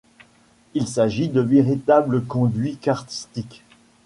Il s’agit de véritables conduits karstiques.